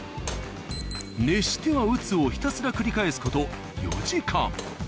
熱しては打つをひたすら繰り返す事４時間。